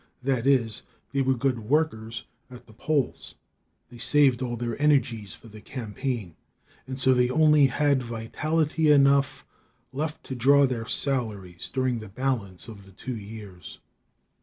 That is, they were good workers at the polls. They saved all their energies for the campaign, and so they only had vitality enough left to draw their salaries during the balance of the two years.